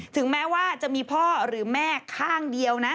ถึงแม้ว่าจะมีพ่อหรือแม่ข้างเดียวนะ